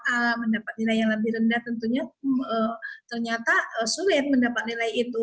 kalau mendapat nilai yang lebih rendah tentunya ternyata sulit mendapat nilai itu